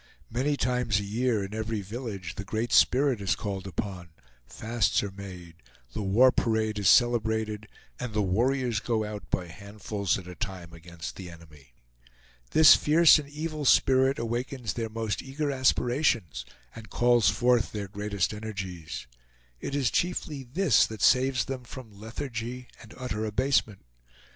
Many times a year, in every village, the Great Spirit is called upon, fasts are made, the war parade is celebrated, and the warriors go out by handfuls at a time against the enemy. This fierce and evil spirit awakens their most eager aspirations, and calls forth their greatest energies. It is chiefly this that saves them from lethargy and utter abasement.